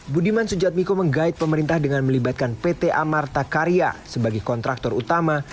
budiman sujadmiko menggait pemerintah dengan melibatkan pt amartakarya sebagai kontraktor utama